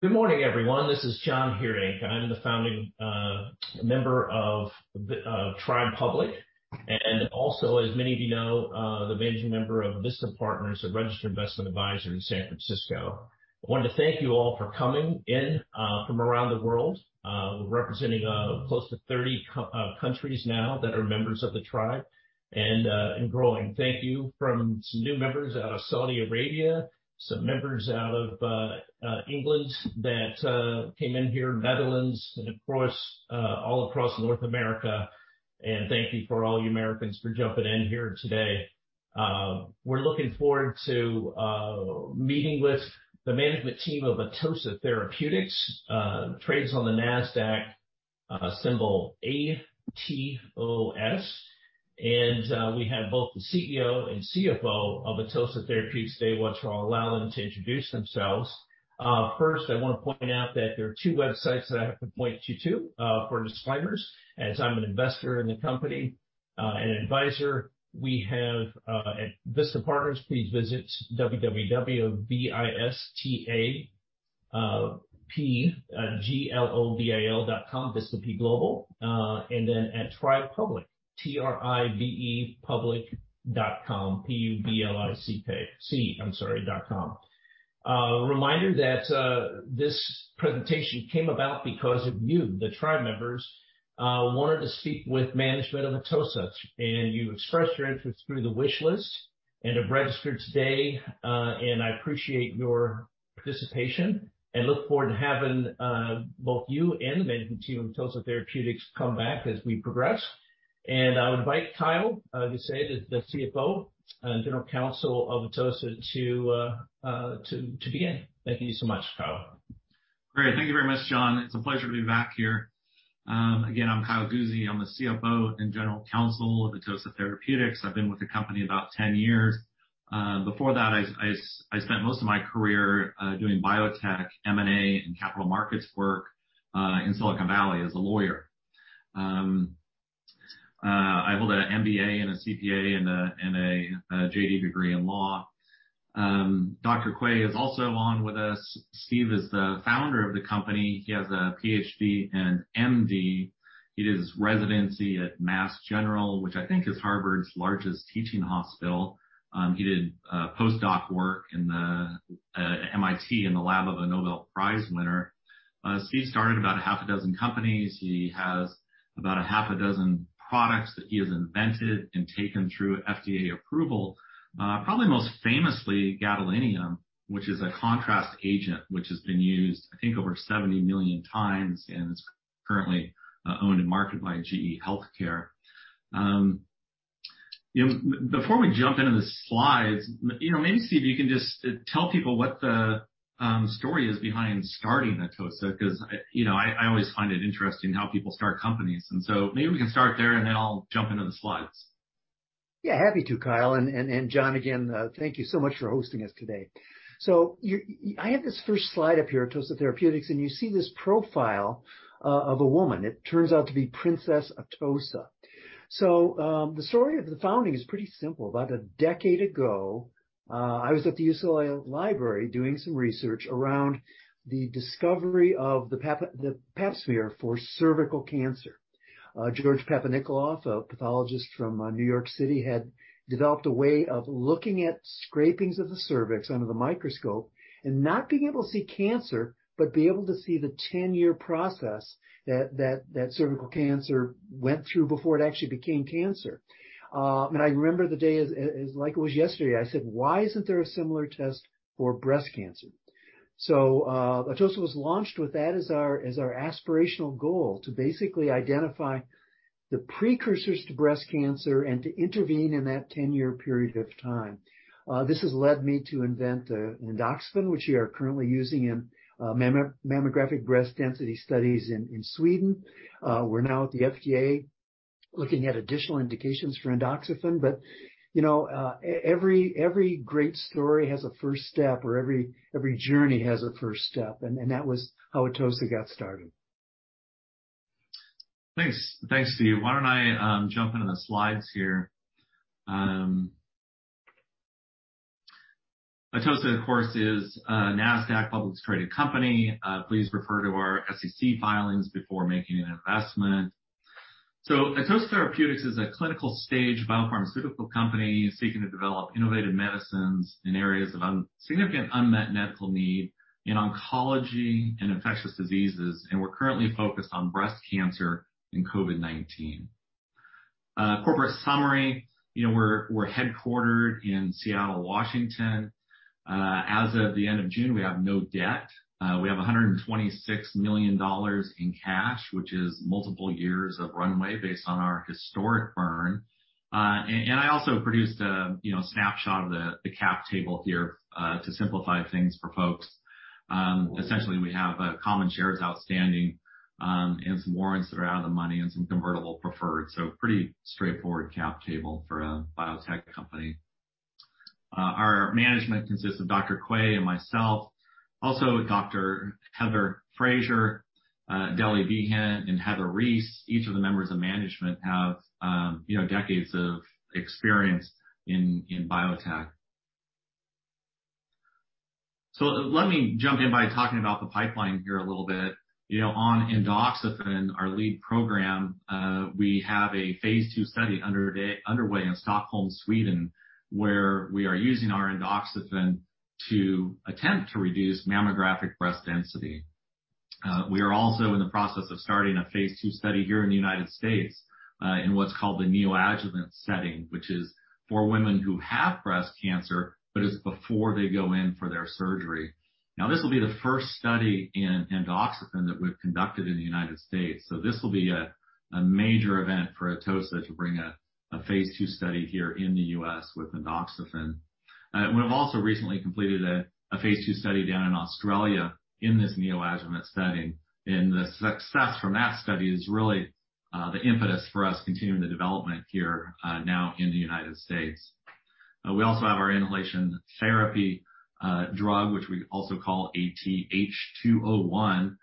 Good morning, everyone. This is John Heerdink. I'm the founding member of the Tribe Public, and also, as many of you know, the managing member of Vista Partners, a registered investment advisor in San Francisco. I wanted to thank you all for coming in from around the world. We're representing close to 30 countries now that are members of the Tribe and growing. Thank you from some new members out of Saudi Arabia, some members out of England that came in here, Netherlands, and of course, all across North America. Thank you for all you Americans for jumping in here today. We're looking forward to meeting with the management team of Atossa Therapeutics, trades on the Nasdaq, symbol ATOS. We have both the CEO and CFO of Atossa Therapeutics today. Once we all allow them to introduce themselves. First, I wanna point out that there are two websites that I have to point you to, for disclaimers. As I'm an investor in the company, and advisor, we have, at Vista Partners, please visit www.vistapglobal.com, Vista Partners. And then at Tribe Public, T-R-I-B-E public.com, P-U-B-L-I-C-K-- C, I'm sorry, dot com. A reminder that, this presentation came about because of you, the Tribe members, wanted to speak with management of Atossa, and you expressed your interest through the wish list and have registered today. I appreciate your participation and look forward to having, both you and the management team of Atossa Therapeutics come back as we progress. I would invite Kyle Guse, the CFO and General Counsel of Atossa, to begin. Thank you so much, Kyle Guse. Great. Thank you very much, John. It's a pleasure to be back here. Again, I'm Kyle Guse. I'm the CFO and General Counsel of Atossa Therapeutics. I've been with the company about 10 years. Before that, I spent most of my career doing biotech, M&A, and capital markets work in Silicon Valley as a lawyer. I hold an MBA, a CPA, and a JD degree in law. Dr. Quay is also on with us. Steve is the founder of the company. He has a PhD and MD. He did his residency at Mass General, which I think is Harvard's largest teaching hospital. He did post-doc work in the MIT in the lab of a Nobel Prize winner. Steve started about half a dozen companies. He has about 6 products that he has invented and taken through FDA approval, probably most famously gadodiamide, which is a contrast agent which has been used, I think, over 70 million times and is currently owned and marketed by GE HealthCare. You know, before we jump into the slides, you know, maybe, Steve, you can just tell people what the story is behind starting Atossa, 'cause I, you know, I always find it interesting how people start companies. Maybe we can start there, and then I'll jump into the slides. Yeah, happy to, Kyle. John again, thank you so much for hosting us today. I have this first slide up here, Atossa Therapeutics, and you see this profile of a woman. It turns out to be Princess Atossa. The story of the founding is pretty simple. About a decade ago, I was at the UCLA Library doing some research around the discovery of the Pap smear for cervical cancer. George Papanicolaou, a pathologist from New York City, had developed a way of looking at scrapings of the cervix under the microscope and not being able to see cancer, but be able to see the 10-year process that cervical cancer went through before it actually became cancer. I remember the day as like it was yesterday. I said, "Why isn't there a similar test for breast cancer?" Atossa was launched with that as our aspirational goal, to basically identify the precursors to breast cancer and to intervene in that ten-year period of time. This has led me to invent Endoxifen, which we are currently using in mammographic breast density studies in Sweden. We're now at the FDA looking at additional indications for Endoxifen. You know, every great story has a first step or every journey has a first step, and that was how Atossa got started. Thanks. Thanks, Steve. Why don't I jump into the slides here? Atossa, of course, is a Nasdaq publicly traded company. Please refer to our SEC filings before making an investment. Atossa Therapeutics is a clinical stage biopharmaceutical company seeking to develop innovative medicines in areas of significant unmet medical need in oncology and infectious diseases, and we're currently focused on breast cancer and COVID-19. Corporate summary. You know, we're headquartered in Seattle, Washington. As of the end of June, we have no debt. We have $126 million in cash, which is multiple years of runway based on our historic burn. And I also produced a you know snapshot of the cap table here to simplify things for folks. Essentially, we have common shares outstanding, and some warrants that are out of the money and some convertible preferred, so pretty straightforward cap table for a biotech company. Our management consists of Dr. Quay and myself, also Dr. Heather Fraser, Delly Behen and Heather Reese, each of the members of management have, you know, decades of experience in biotech. Let me jump in by talking about the pipeline here a little bit. You know, on endoxifen, our lead program, we have a phase 2 study underway in Stockholm, Sweden, where we are using our endoxifen to attempt to reduce mammographic breast density. We are also in the process of starting a phase 2 study here in the United States, in what's called the neoadjuvant setting, which is for women who have breast cancer, but is before they go in for their surgery. Now, this will be the first study in endoxifen that we've conducted in the United States, so this will be a major event for Atossa to bring a phase two study here in the U.S. with endoxifen. We have also recently completed a phase two study down in Australia in this neoadjuvant setting, and the success from that study is really the impetus for us continuing the development here now in the United States. We also have our inhalation therapy drug, which we also call AT-H201.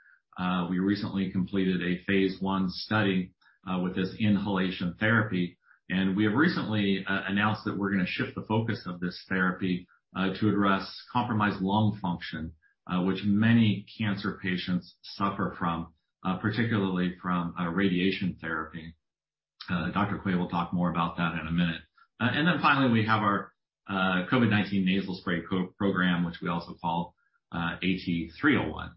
We recently completed a phase one study with this inhalation therapy, and we have recently announced that we're gonna shift the focus of this therapy to address compromised lung function, which many cancer patients suffer from, particularly from radiation therapy. Dr. Quay will talk more about that in a minute. Finally, we have our COVID-19 nasal spray program, which we also call AT-301.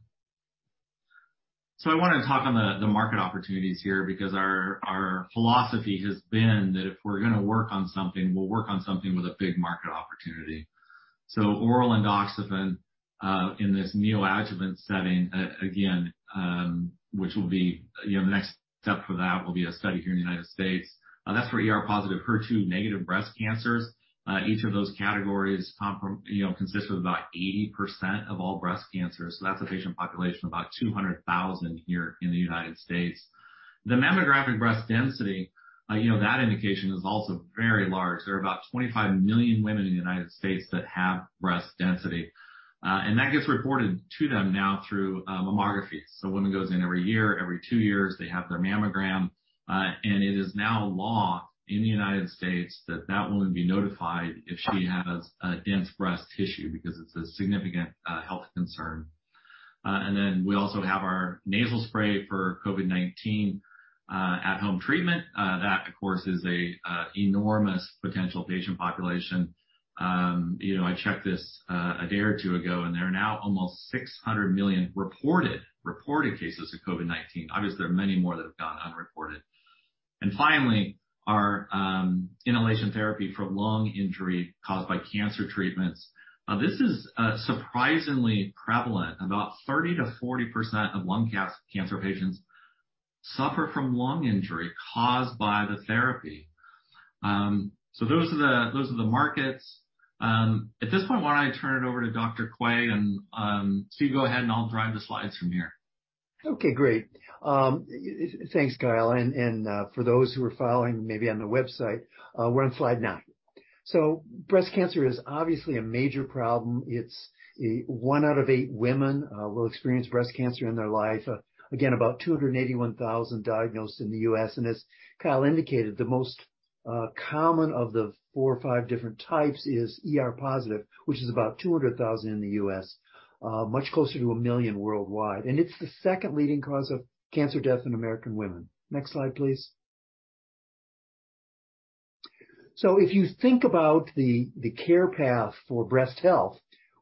I wanna talk about the market opportunities here because our philosophy has been that if we're gonna work on something, we'll work on something with a big market opportunity. Oral endoxifen in this neoadjuvant setting, again, which will be, you know, the next step for that will be a study here in the United States. That's for ER positive, HER2 negative breast cancers. Each of those categories, you know, consist of about 80% of all breast cancers, so that's a patient population of about 200,000 here in the United States. The mammographic breast density, you know, that indication is also very large. There are about 25 million women in the United States that have breast density, and that gets reported to them now through mammography. A woman goes in every year, every two years, they have their mammogram, and it is now law in the United States that that woman be notified if she has dense breast tissue because it's a significant health concern. We also have our nasal spray for COVID-19 at-home treatment. That of course is an enormous potential patient population. You know, I checked this a day or two ago, and there are now almost 600 million reported cases of COVID-19. Obviously, there are many more that have gone unreported. Finally, our inhalation therapy for lung injury caused by cancer treatments. This is surprisingly prevalent. About 30%-40% of lung cancer patients suffer from lung injury caused by the therapy. Those are the markets. At this point, why don't I turn it over to Dr. Quay and so you go ahead and I'll drive the slides from here. Okay. Great. Thanks, Kyle, for those who are following maybe on the website, we're on slide nine. Breast cancer is obviously a major problem. It's one out of eight women will experience breast cancer in their life. Again, about 281,000 diagnosed in the U.S., and as Kyle indicated, the most common of the four or five different types is ER positive, which is about 200,000 in the U.S., much closer to 1 million worldwide. It's the second leading cause of cancer death in American women. Next slide, please. If you think about the care path for breast health,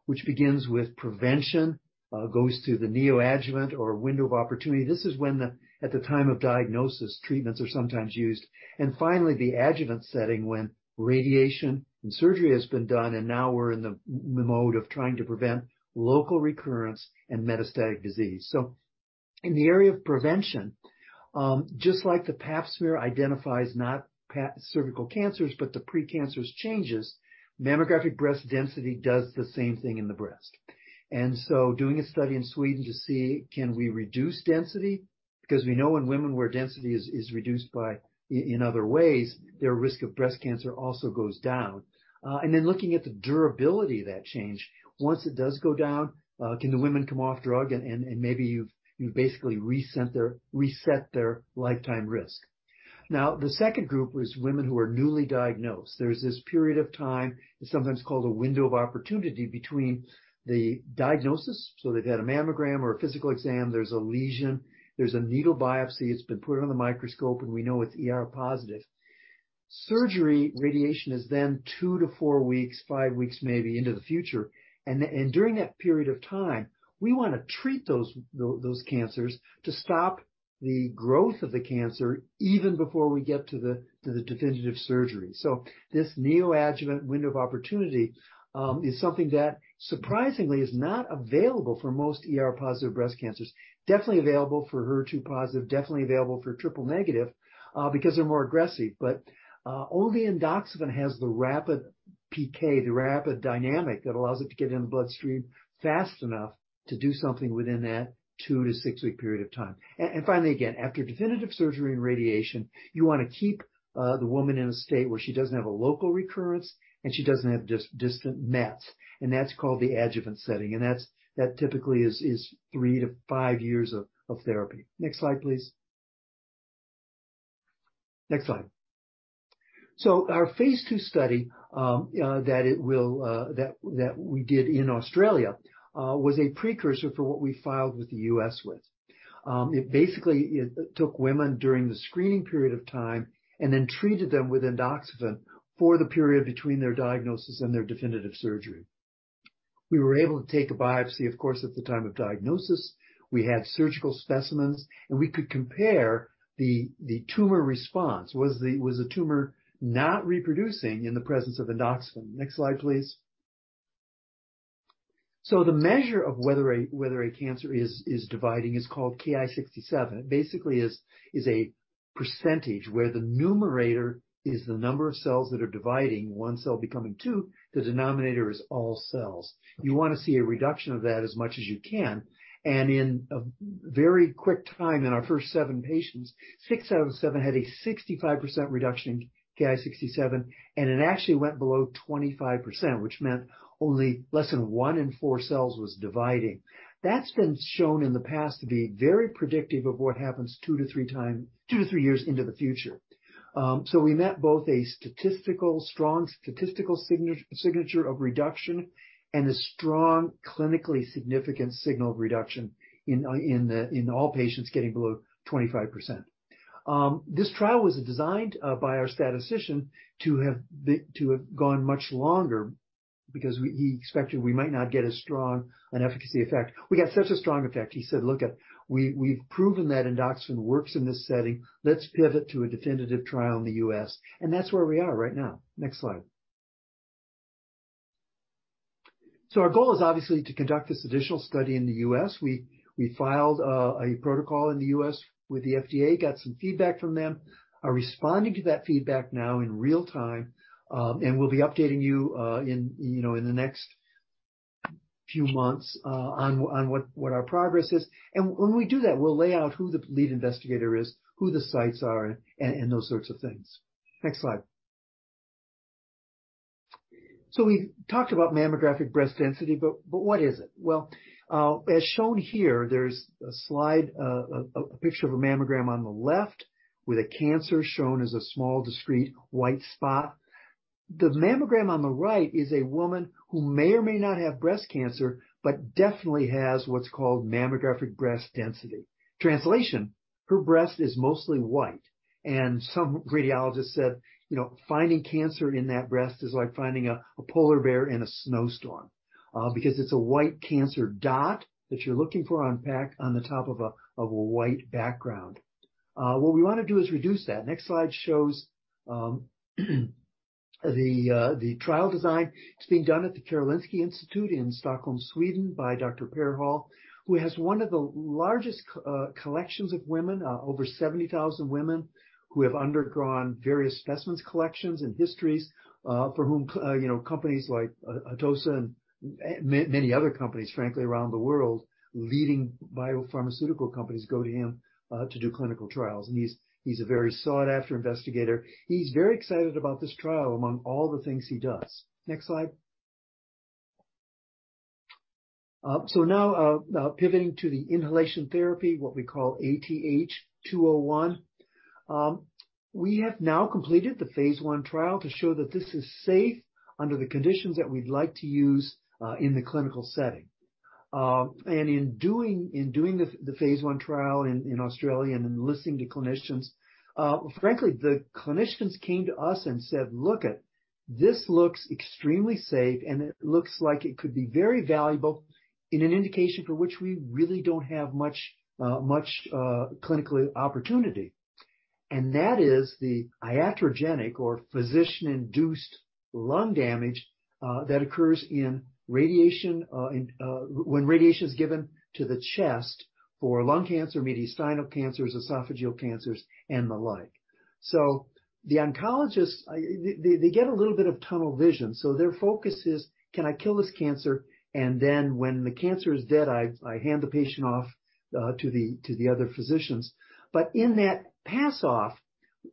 which begins with prevention, goes through the neoadjuvant or window of opportunity, this is when at the time of diagnosis, treatments are sometimes used, and finally the adjuvant setting when radiation and surgery has been done, and now we're in the m-mode of trying to prevent local recurrence and metastatic disease. In the area of prevention, just like the Pap smear identifies not cervical cancers, but the pre-cancerous changes, mammographic breast density does the same thing in the breast. Doing a study in Sweden to see can we reduce density? 'Cause we know in women where density is reduced by in other ways, their risk of breast cancer also goes down, and then looking at the durability of that change. Once it does go down, can the women come off drug and maybe you've basically reset their lifetime risk. Now, the second group was women who are newly diagnosed. There's this period of time, it's sometimes called a window of opportunity, between the diagnosis, so they've had a mammogram or a physical exam, there's a lesion, there's a needle biopsy, it's been put on the microscope, and we know it's ER positive. Surgery, radiation is then 2-4 weeks, five weeks maybe into the future, and during that period of time, we wanna treat those cancers to stop the growth of the cancer even before we get to the definitive surgery. So this neoadjuvant window of opportunity is something that surprisingly is not available for most ER positive breast cancers. Definitely available for HER2 positive, definitely available for triple negative, because they're more aggressive. Only Endoxifen has the rapid PK, the rapid dynamic that allows it to get in the bloodstream fast enough to do something within that 2-6-week period of time. And finally, again, after definitive surgery and radiation, you wanna keep the woman in a state where she doesn't have a local recurrence and she doesn't have distant mets, and that's called the adjuvant setting, and that typically is 3-5 years of therapy. Next slide, please. Next slide. Our phase two study that we did in Australia was a precursor for what we filed with the U.S. It basically took women during the screening period of time and then treated them with endoxifen for the period between their diagnosis and their definitive surgery. We were able to take a biopsy, of course, at the time of diagnosis. We had surgical specimens, and we could compare the tumor response. Was the tumor not reproducing in the presence of endoxifen? Next slide, please. The measure of whether a cancer is dividing is called Ki-67. Basically is a percentage where the numerator is the number of cells that are dividing, one cell becoming two, the denominator is all cells. You want to see a reduction of that as much as you can. In a very quick time in our first seven patients, six out of the seven had a 65% reduction in Ki-67, and it actually went below 25%, which meant only less than one in four cells was dividing. That's been shown in the past to be very predictive of what happens two to three years into the future. We met both a strong statistical signature of reduction and a strong clinically significant signal of reduction in all patients getting below 25%. This trial was designed by our statistician to have gone much longer because he expected we might not get an efficacy effect. We got such a strong effect, he said, "Look, we've proven that endoxifen works in this setting. Let's pivot to a definitive trial in the U.S.. That's where we are right now. Next slide. Our goal is obviously to conduct this additional study in the U.S.. We filed a protocol in the U.S. with the FDA, got some feedback from them. We are responding to that feedback now in real-time, and we'll be updating you know, in the next few months, on what our progress is. When we do that, we'll lay out who the lead investigator is, who the sites are, and those sorts of things. Next slide. We've talked about mammographic breast density, but what is it? As shown here, there's a slide, a picture of a mammogram on the left with a cancer shown as a small, discrete white spot. The mammogram on the right is a woman who may or may not have breast cancer, but definitely has what's called mammographic breast density. Translation, her breast is mostly white. Some radiologist said, you know, "Finding cancer in that breast is like finding a polar bear in a snowstorm," because it's a white cancer dot that you're looking for on the top of a white background. What we wanna do is reduce that. Next slide shows the trial design. It's being done at the Karolinska Institutet in Stockholm, Sweden, by Dr. Per Hall, who has one of the largest collections of women over 70,000 women, who have undergone various specimens collections and histories, you know, companies like Atossa and many other companies, frankly, around the world, leading biopharmaceutical companies go to him to do clinical trials. He's a very sought-after investigator. He's very excited about this trial, among all the things he does. Next slide. Now pivoting to the inhalation therapy, what we call AT-H201. We have now completed the phase one trial to show that this is safe under the conditions that we'd like to use in the clinical setting. In doing the phase one trial in Australia and in listening to clinicians, frankly, the clinicians came to us and said, "Look it, this looks extremely safe, and it looks like it could be very valuable in an indication for which we really don't have much clinical opportunity." That is the iatrogenic or physician-induced lung damage that occurs in radiation when radiation is given to the chest for lung cancer, mediastinal cancers, esophageal cancers, and the like. The oncologists, they get a little bit of tunnel vision. Their focus is, "Can I kill this cancer? When the cancer is dead, I hand the patient off to the other physicians." In that handoff,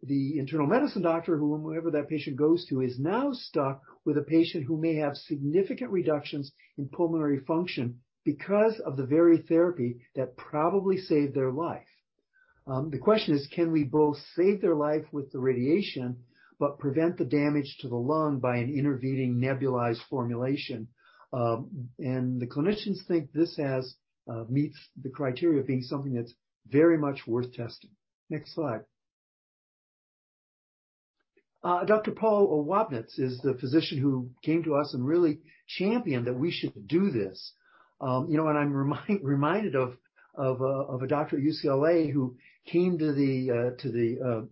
the internal medicine doctor whoever that patient goes to is now stuck with a patient who may have significant reductions in pulmonary function because of the very therapy that probably saved their life. The question is: Can we both save their life with the radiation but prevent the damage to the lung by an intervening nebulized formulation? The clinicians think this meets the criteria of being something that's very much worth testing. Next slide. Dr. Paul Wabnitz is the physician who came to us and really championed that we should do this. You know, I'm reminded of a doctor at UCLA who came to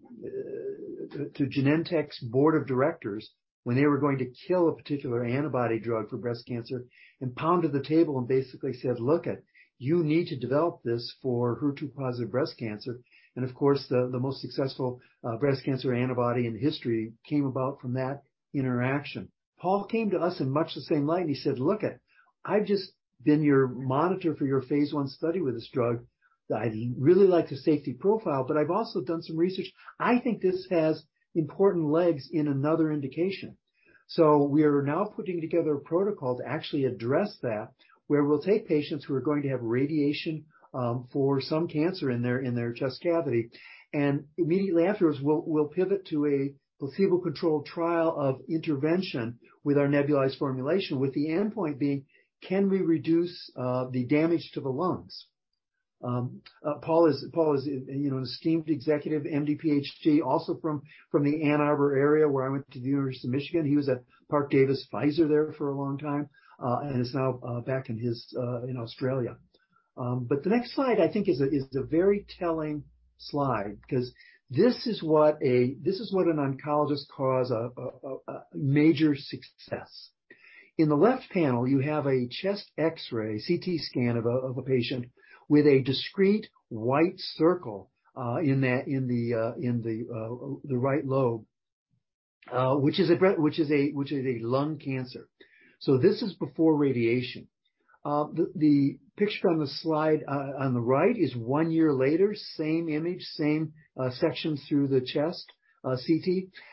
Genentech's board of directors when they were going to kill a particular antibody drug for breast cancer, and pounded the table and basically said, "Look it, you need to develop this for HER2 positive breast cancer." Of course, the most successful breast cancer antibody in history came about from that interaction. Paul came to us in much the same light, and he said, "Look it. I've just been your monitor for your phase one study with this drug. I really like the safety profile, but I've also done some research. I think this has important legs in another indication." We are now putting together a protocol to actually address that, where we'll take patients who are going to have radiation for some cancer in their chest cavity, and immediately afterwards, we'll pivot to a placebo-controlled trial of intervention with our nebulized formulation, with the endpoint being, can we reduce the damage to the lungs? Paul is, you know, an esteemed executive, MD, PhD, also from the Ann Arbor area where I went to University of Michigan. He was at Parke-Davis/Pfizer there for a long time, and is now back in his in Australia. The next slide, I think, is a very telling slide 'cause this is what an oncologist calls a major success. In the left panel, you have a chest X-ray, CT scan of a patient with a discrete white circle in the right lobe, which is a lung cancer. This is before radiation. The picture on the slide on the right is 1 year later, same image, same section through the chest, CT.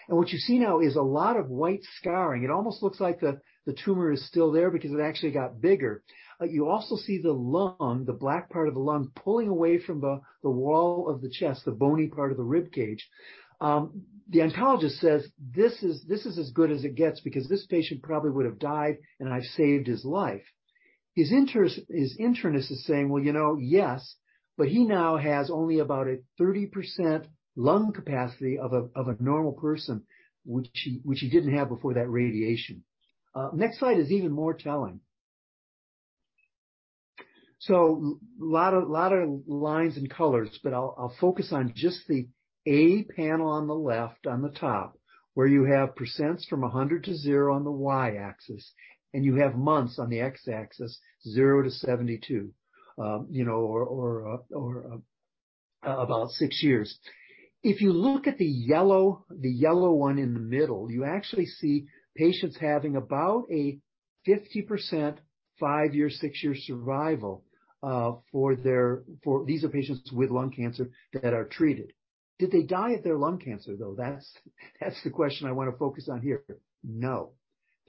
What you see now is a lot of white scarring. It almost looks like the tumor is still there because it actually got bigger. You also see the lung, the black part of the lung, pulling away from the wall of the chest, the bony part of the ribcage. The oncologist says, "This is as good as it gets because this patient probably would have died, and I've saved his life." His internist is saying, "Well, you know, yes, but he now has only about a 30% lung capacity of a normal person, which he didn't have before that radiation." Next slide is even more telling. Lot of lines and colors, but I'll focus on just the A panel on the left, on the top, where you have percents from 100 to zero on the Y-axis, and you have months on the X-axis, 0-72, about six years. If you look at the yellow one in the middle, you actually see patients having about a 50% 5-year, 6-year survival for their These are patients with lung cancer that are treated. Did they die of their lung cancer, though? That's the question I wanna focus on here. No.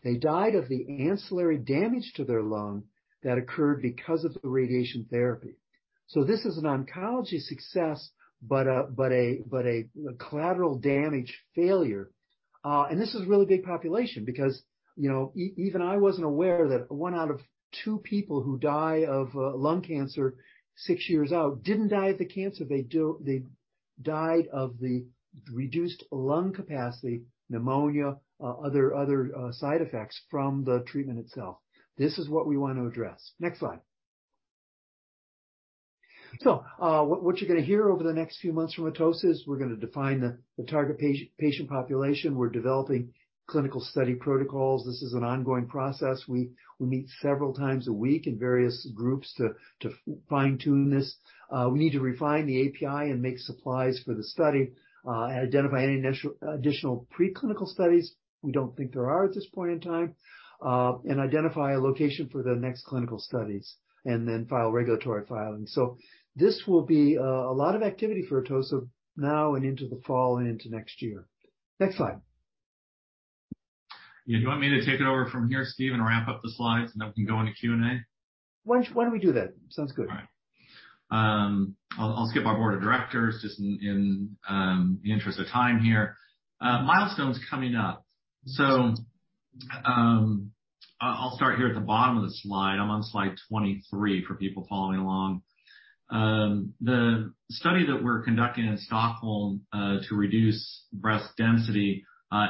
They died of the ancillary damage to their lung that occurred because of the radiation therapy. This is an oncology success, but a collateral damage failure. This is a really big population because, you know, even I wasn't aware that one out of two people who die of lung cancer six years out didn't die of the cancer. They died of the reduced lung capacity, pneumonia, other side effects from the treatment itself. This is what we want to address. Next slide. What you're gonna hear over the next few months from Atossa is we're gonna define the target patient population. We're developing clinical study protocols. This is an ongoing process. We meet several times a week in various groups to fine-tune this. We need to refine the API and make supplies for the study, and identify any additional preclinical studies. We don't think there are at this point in time. Identify a location for the next clinical studies, and then file regulatory filings. This will be a lot of activity for Atossa now and into the fall and into next year. Next slide. Yeah. Do you want me to take it over from here, Steve, and ramp up the slides, and then we can go into Q&A? Why don't we do that? Sounds good. All right. I'll skip our board of directors just in the interest of time here. Milestones coming up. I'll start here at the bottom of the slide. I'm on slide 23 for people following along. The study that we're conducting in Stockholm to reduce breast density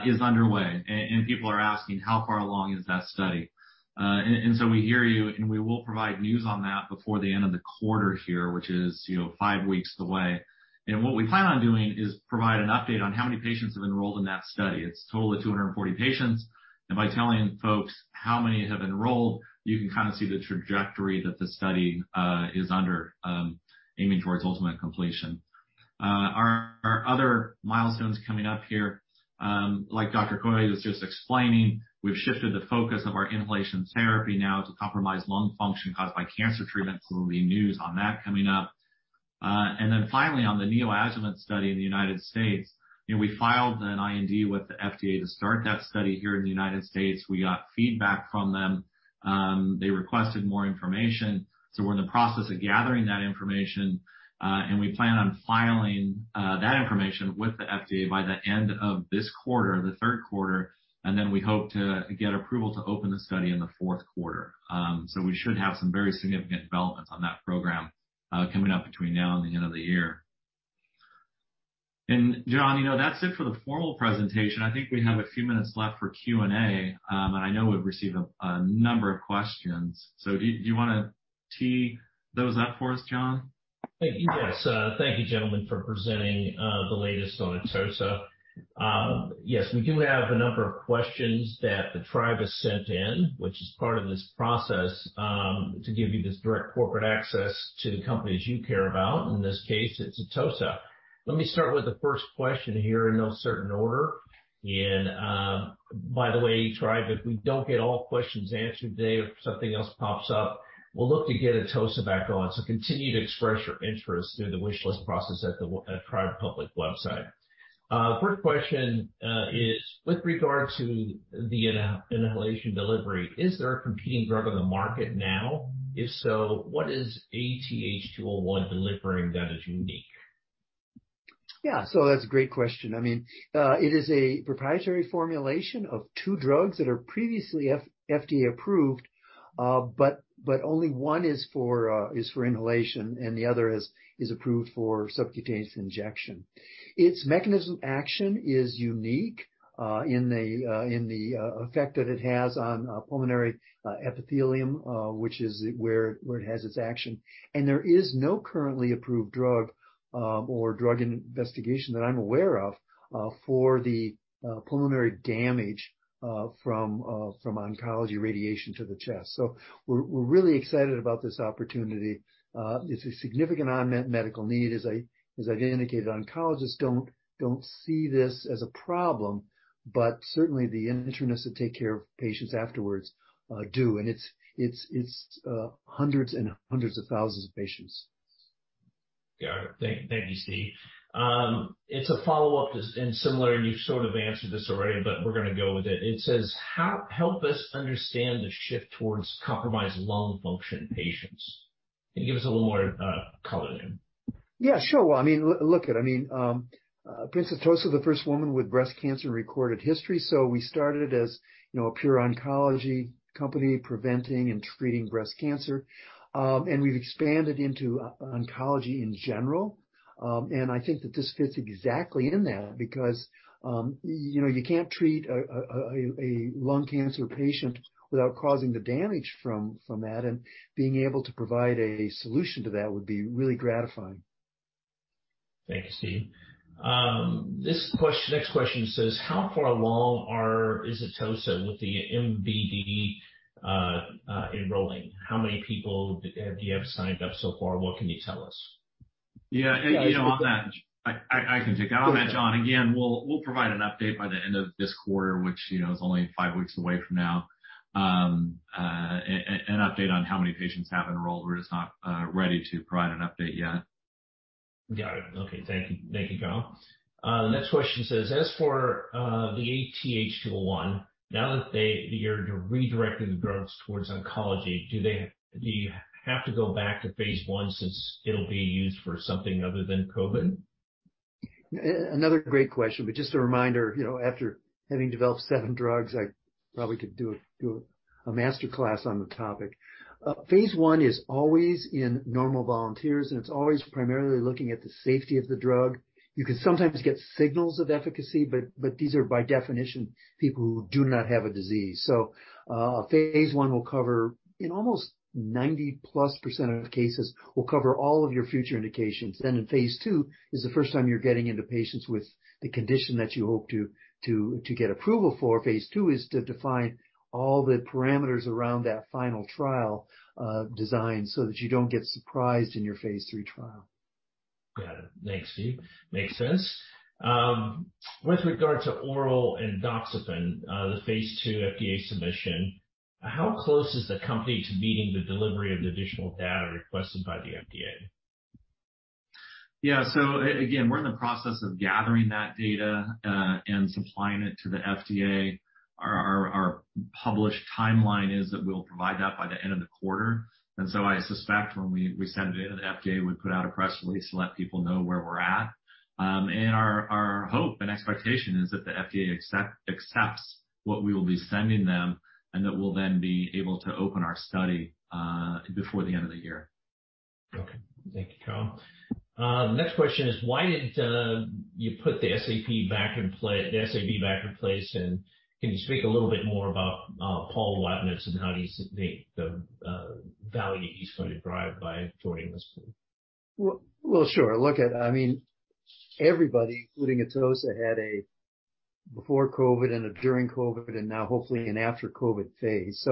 is underway, and people are asking how far along is that study. We hear you, and we will provide news on that before the end of the quarter here, which is, you know, five weeks away. What we plan on doing is provide an update on how many patients have enrolled in that study. It's a total of 240 patients. By telling folks how many have enrolled, you can kind of see the trajectory that the study is under aiming towards ultimate completion. Our other milestones coming up here, like Dr. Quay was just explaining, we've shifted the focus of our inhalation therapy now to compromised lung function caused by cancer treatment, so there'll be news on that coming up. Finally on the neoadjuvant study in the United States, you know, we filed an IND with the FDA to start that study here in the United States. We got feedback from them. They requested more information, so we're in the process of gathering that information, and we plan on filing that information with the FDA by the end of this quarter, the third quarter, and then we hope to get approval to open the study in the fourth quarter. We should have some very significant developments on that program coming up between now and the end of the year. John, you know, that's it for the formal presentation. I think we have a few minutes left for Q&A, and I know we've received a number of questions. Do you wanna tee those up for us, John? Thank you. Yes. Thank you, gentlemen, for presenting the latest on Atossa. Yes, we do have a number of questions that the tribe has sent in, which is part of this process to give you this direct corporate access to the companies you care about. In this case, it's Atossa. Let me start with the first question here in no certain order. By the way, tribe, if we don't get all questions answered today or something else pops up, we'll look to get Atossa back on. Continue to express your interest through the wish list process at the Tribe Public website. First question is with regard to the inhalation delivery. Is there a competing drug on the market now? If so, what is AT-H201 delivering that is unique? That's a great question. I mean, it is a proprietary formulation of two drugs that are previously FDA approved, but only one is for inhalation, and the other is approved for subcutaneous injection. Its mechanism of action is unique in the effect that it has on pulmonary epithelium, which is where it has its action. There is no currently approved drug or drug investigation that I'm aware of for the pulmonary damage from oncology radiation to the chest. We're really excited about this opportunity. It's a significant unmet medical need. As I've indicated, oncologists don't see this as a problem, but certainly, the internists that take care of patients afterwards do. It's hundreds and hundreds of thousands of patients. Got it. Thank you, Steve. It's a follow-up and similar, and you've sort of answered this already, but we're gonna go with it. It says, help us understand the shift towards compromised lung function patients. Can you give us a little more color there? Yeah, sure. Well, I mean, Princess Atossa is the first woman with breast cancer in recorded history, so we started as, you know, a pure oncology company preventing and treating breast cancer. We've expanded into oncology in general. I think that this fits exactly in that because, you know, you can't treat a lung cancer patient without causing the damage from that, and being able to provide a solution to that would be really gratifying. Thank you, Steve. Next question says, how far along is Atossa with the MBD enrolling? How many people do you have signed up so far? What can you tell us? Yeah. You know, on that, I can take that one, John. Again, we'll provide an update by the end of this quarter, which, you know, is only five weeks away from now. An update on how many patients have enrolled. We're just not ready to provide an update yet. Got it. Okay. Thank you. Thank you, Kyle. The next question says, as for the AT-H201, now that you're redirecting the drugs towards oncology, do you have to go back to phase one since it'll be used for something other than COVID? Another great question, but just a reminder, you know, after having developed seven drugs, I probably could do a master class on the topic. Phase one is always in normal volunteers, and it's always primarily looking at the safety of the drug. You can sometimes get signals of efficacy, but these are by definition, people who do not have a disease. Phase one will cover in almost 90+% of the cases all of your future indications. In phase two is the first time you're getting into patients with the condition that you hope to get approval for. Phase two is to define all the parameters around that final trial design, so that you don't get surprised in your phase three trial. Got it. Thanks, Steve. Makes sense. With regard to oral endoxifen, the phase two FDA submission, how close is the company to meeting the delivery of the additional data requested by the FDA? Yeah. Again, we're in the process of gathering that data and supplying it to the FDA. Our published timeline is that we'll provide that by the end of the quarter. I suspect when we send it in, the FDA would put out a press release to let people know where we're at. Our hope and expectation is that the FDA accepts what we will be sending them and that we'll then be able to open our study before the end of the year. Okay. Thank you, Kyle. The next question is, why did you put the SAB back in place, and can you speak a little bit more about Paul Wabnitz and how he's made the value he's going to drive by joining this team? Well, sure. Look at, I mean, everybody, including Atossa, had a before COVID and a during COVID and now hopefully an after COVID phase.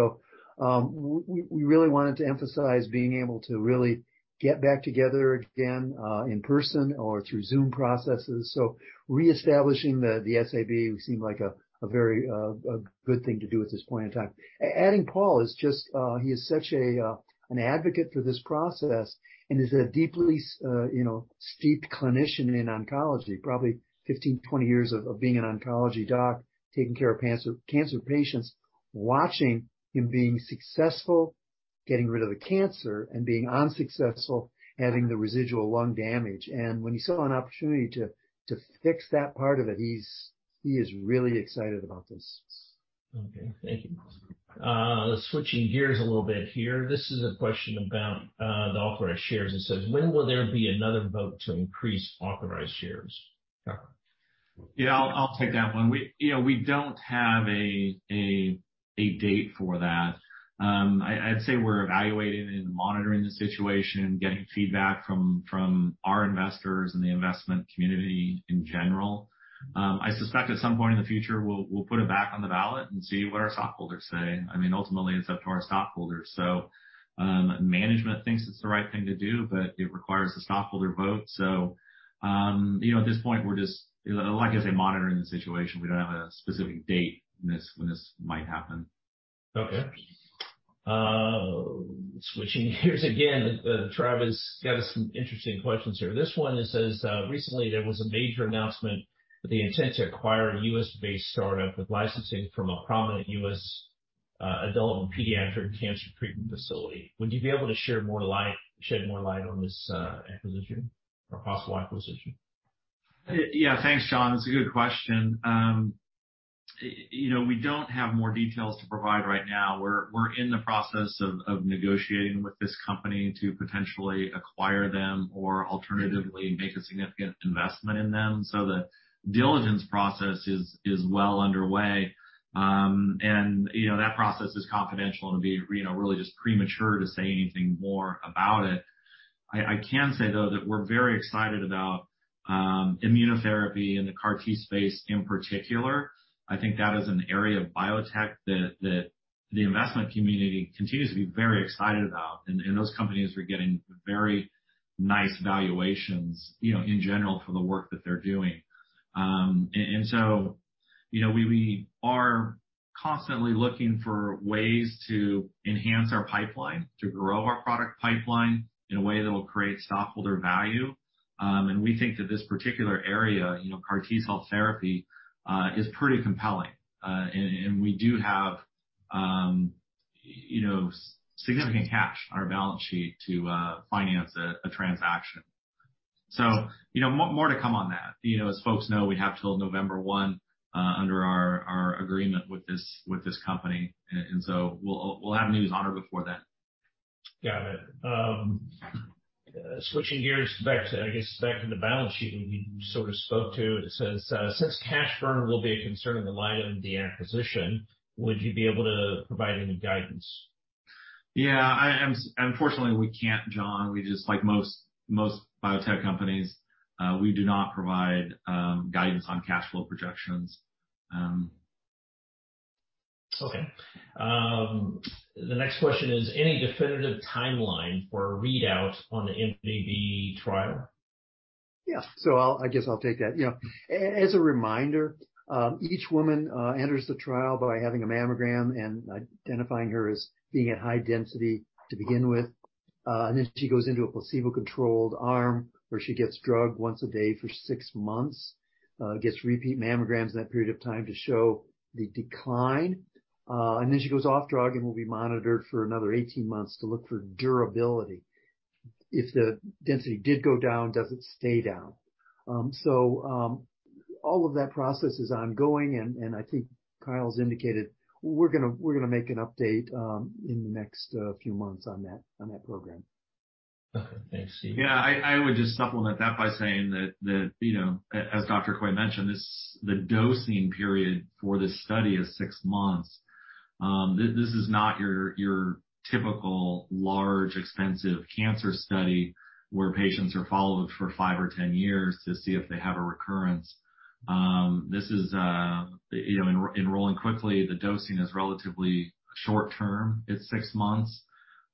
We really wanted to emphasize being able to really get back together again in person or through Zoom processes. Reestablishing the SAB would seem like a very good thing to do at this point in time. Adding Paul is just he is such an advocate for this process and is a deeply you know steeped clinician in oncology, probably 15, 20 years of being an oncology doc, taking care of cancer patients, watching him being successful, getting rid of the cancer and being unsuccessful, having the residual lung damage. When he saw an opportunity to fix that part of it, he is really excited about this. Okay. Thank you. Switching gears a little bit here. This is a question about the authorized shares. It says, when will there be another vote to increase authorized shares? Kyle. Yeah. I'll take that one. We, you know, we don't have a date for that. I'd say we're evaluating and monitoring the situation, getting feedback from our investors and the investment community in general. I suspect at some point in the future, we'll put it back on the ballot and see what our stockholders say. I mean, ultimately, it's up to our stockholders. You know, at this point, we're just, like I say, monitoring the situation. We don't have a specific date when this might happen. Okay. Switching gears again. Travis got us some interesting questions here. This one, it says, "Recently there was a major announcement that they intend to acquire a U.S.-based startup with licensing from a prominent U.S. adult and pediatric cancer treatment facility. Would you be able to shed more light on this acquisition or possible acquisition? Yeah. Thanks, John. That's a good question. You know, we don't have more details to provide right now. We're in the process of negotiating with this company to potentially acquire them or alternatively make a significant investment in them. The diligence process is well underway. You know, that process is confidential to be, you know, really just premature to say anything more about it. I can say, though, that we're very excited about immunotherapy in the CAR-T space in particular. I think that is an area of biotech that the investment community continues to be very excited about. Those companies are getting very nice valuations, you know, in general for the work that they're doing. We are constantly looking for ways to enhance our pipeline, to grow our product pipeline in a way that will create stockholder value. We think that this particular area, you know, CAR-T cell therapy, is pretty compelling. We do have, you know, significant cash on our balance sheet to finance a transaction. You know, more to come on that. You know, as folks know, we have till November 1 under our agreement with this company. We'll have news on or before then. Got it. Switching gears back to, I guess, back to the balance sheet. You sort of spoke to it. It says, "Since cash burn will be a concern in light of the acquisition, would you be able to provide any guidance?" Yeah. I, unfortunately, we can't, John. We just like most biotech companies, we do not provide guidance on cash flow projections. Okay. The next question is, "Any definitive timeline for a readout on the MBD trial?" Yeah. I guess I'll take that. You know, as a reminder, each woman enters the trial by having a mammogram and identifying her as being at high density to begin with. Then she goes into a placebo-controlled arm, where she gets drugged once a day for six months, gets repeat mammograms in that period of time to show the decline. Then she goes off drug and will be monitored for another 18 months to look for durability. If the density did go down, does it stay down? All of that process is ongoing, and I think Kyle's indicated we're gonna make an update in the next few months on that program. Okay. Thanks. Yeah. I would just supplement that by saying that, you know, as Dr. Quay mentioned, the dosing period for this study is six months. This is not your typical large, expensive cancer study where patients are followed for five or 10 years to see if they have a recurrence. This is, you know, enrolling quickly. The dosing is relatively short-term. It's 6 months.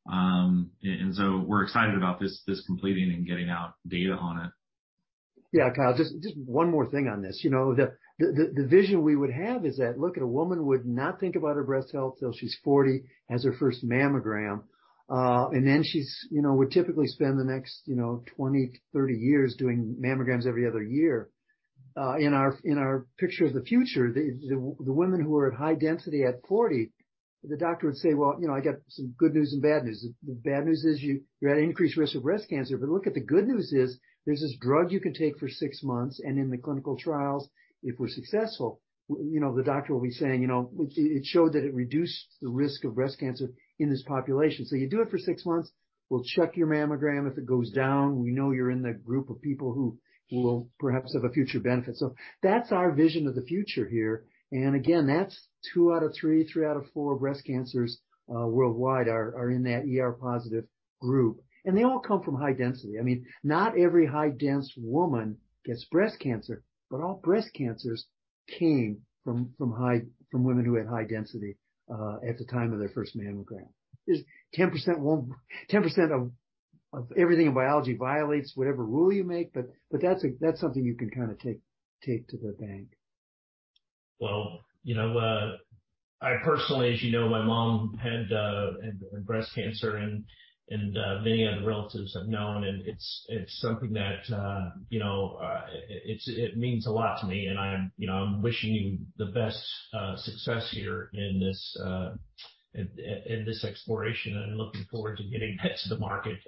And so we're excited about this completing and getting out data on it. Yeah. Kyle, just one more thing on this. You know, the vision we would have is that, look, a woman would not think about her breast health till she's 40, has her first mammogram, and then she's, you know, would typically spend the next, you know, 20-30 years doing mammograms every other year. In our picture of the future, the women who are at high density at 40, the doctor would say, "Well, you know, I got some good news and bad news. The bad news is you're at increased risk of breast cancer, but look, the good news is there's this drug you can take for six months, and in the clinical trials, if we're successful," you know, the doctor will be saying, you know, "It showed that it reduced the risk of breast cancer in this population. So you do it for six months. We'll check your mammogram. If it goes down, we know you're in the group of people who will perhaps have a future benefit." That's our vision of the future here. Again, that's two out of three out of four breast cancers worldwide are in that ER positive group. They all come from high density. I mean, not every high density woman gets breast cancer, but all breast cancers came from women who had high density at the time of their first mammogram. 10% of everything in biology violates whatever rule you make, but that's something you can kinda take to the bank. Well, you know, I personally, as you know, my mom had breast cancer and many other relatives I've known, and it's something that you know it means a lot to me. I'm you know I'm wishing you the best success here in this exploration, and looking forward to getting that to the market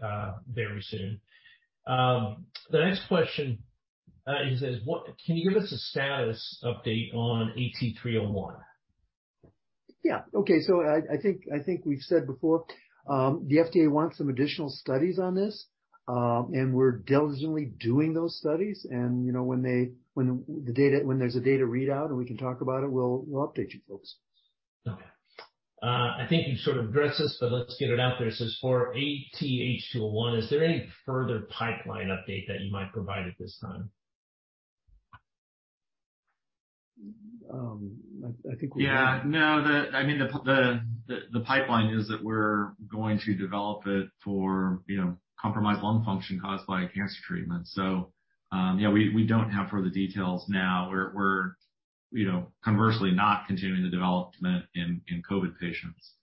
very soon. The next question it says, "Can you give us a status update on AT-301?" Yeah. Okay. I think we've said before, the FDA wants some additional studies on this, and we're diligently doing those studies. You know, when there's a data readout, and we can talk about it, we'll update you folks. Okay. I think you've sort of addressed this, but let's get it out there. It says, "For AT-H201, is there any further pipeline update that you might provide at this time?" I think we- Yeah. No. I mean, the pipeline is that we're going to develop it for, you know, compromised lung function caused by cancer treatment. Yeah, we don't have further details now. We're, you know, conversely not continuing the development in COVID patients.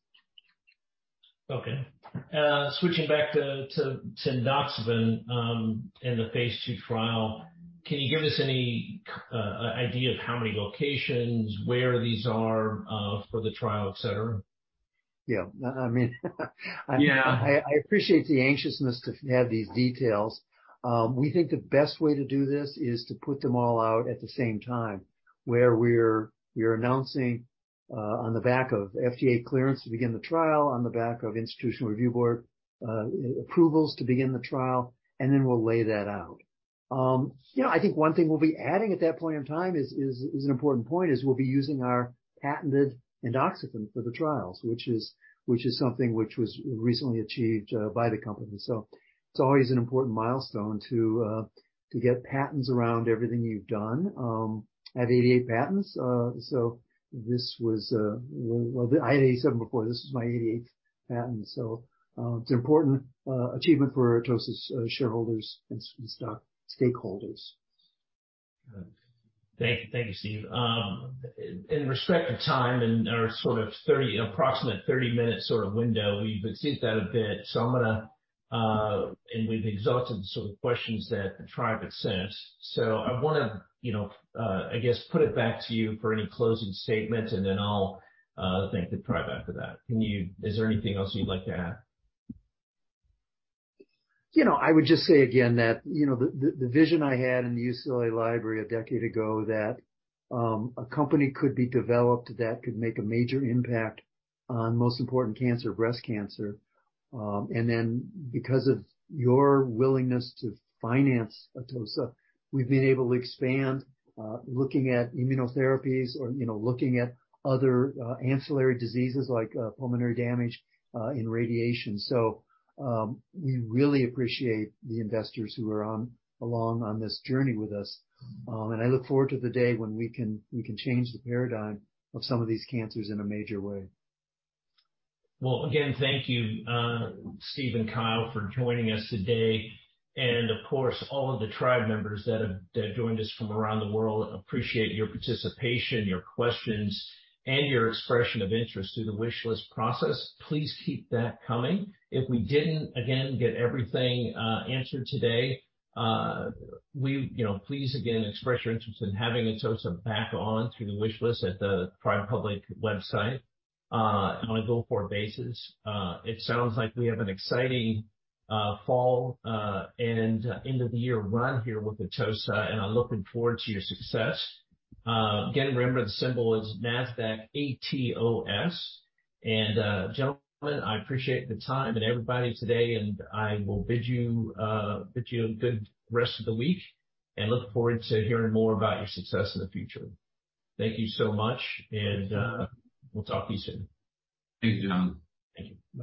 Okay. Switching back to endoxifen and the phase two trial. Can you give us any idea of how many locations, where these are, for the trial, et cetera? Yeah. I mean, I appreciate the anxiousness to have these details. We think the best way to do this is to put them all out at the same time where we're announcing on the back of FDA clearance to begin the trial, on the back of institutional review board approvals to begin the trial, and then we'll lay that out. You know, I think one thing we'll be adding at that point in time is an important point, we'll be using our patented endoxifen for the trials. Which is something which was recently achieved by the company. It's always an important milestone to get patents around everything you've done. I have 88 patents, so this was. Well, I had 87 before this is my 88th patent. It's an important achievement for Atossa's shareholders and stakeholders. Good. Thank you. Thank you, Steve. In respect of time and our sort of approximate 30-minute sort of window, we've exceeded that a bit, so I'm gonna. We've exhausted some questions that the Tribe had sent. I wanna, you know, I guess, put it back to you for any closing statements, and then I'll thank the Tribe after that. Is there anything else you'd like to add? You know, I would just say again that, you know, the vision I had in the UCLA library a decade ago that a company could be developed that could make a major impact on most important cancer, breast cancer. Because of your willingness to finance Atossa, we've been able to expand looking at immunotherapies or, you know, looking at other ancillary diseases like pulmonary damage in radiation. We really appreciate the investors who are along on this journey with us. I look forward to the day when we can change the paradigm of some of these cancers in a major way. Well, again, thank you, Steve and Kyle for joining us today. Of course, all of the Tribe members that joined us from around the world, appreciate your participation, your questions, and your expression of interest through the wish list process. Please keep that coming. If we didn't, again, get everything answered today, you know, please again express your interest in having Atossa back on through the wish list at the Tribe Public website, on a go-forward basis. It sounds like we have an exciting fall, and end of the year run here with Atossa, and I'm looking forward to your success. Again, remember, the symbol is Nasdaq ATOS. Gentlemen, I appreciate the time and everybody today, and I will bid you a good rest of the week, and look forward to hearing more about your success in the future. Thank you so much and, we'll talk to you soon. Thank you John. Thank you. Bye.